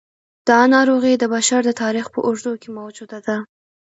دا ناروغي د بشر د تاریخ په اوږدو کې موجوده ده.